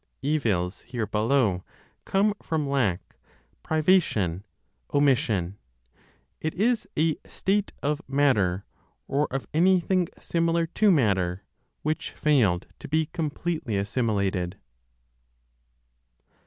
Evils here below come from lack, privation, omission; it is a state of matter, or of anything similar to matter, which failed to be completely assimilated.